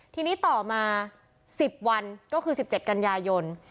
ทีนี้ต่อมา๑๐วันก็คือ๑๗กันยายน